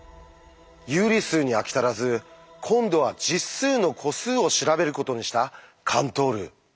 有理数に飽き足らず今度は「実数の個数」を調べることにしたカントール。